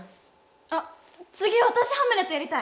あっ次私ハムレットやりたい！